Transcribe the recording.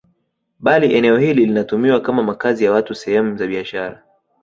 Bali eneo hili linatumiwa kama makazi ya watu sehemu za biashara